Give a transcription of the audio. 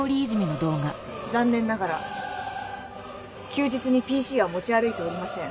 残念ながら休日にＰＣは持ち歩いておりません。